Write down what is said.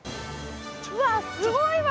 うわっすごいわ！